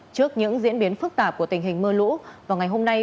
trước những diễn biến phức tạp của tình hình mưa lũ vào ngày hôm nay